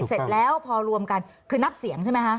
เสร็จแล้วพอรวมกันคือนับเสียงใช่ไหมคะ